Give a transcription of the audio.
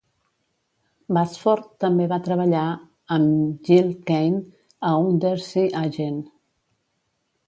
Bassford també va treballar amb Gil Kane a "Undersea Agent".